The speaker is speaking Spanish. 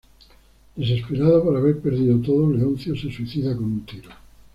Desesperado por haber perdido todo, Leoncio se suicida con un tiro.